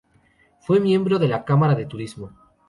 Fue miembro de la Cámara de Turismo.